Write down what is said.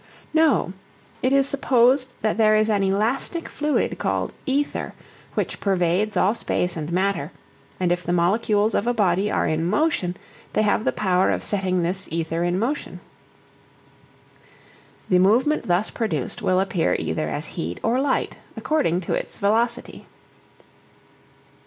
No, it is supposed that there is an elastic fluid called "ether" which pervades all space and matter, and if the molecules of a body are in motion they have the power of setting this ether in motion. The movement thus produced will appear either as heat or light according to its velocity.